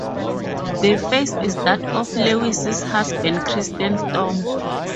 The face is that of Lewis's husband, Christian Storm.